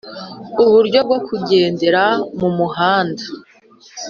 uburyo bwo kugendera mu muhanda,